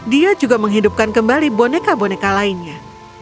dia juga menghidupkan kembali boneka boneka lainnya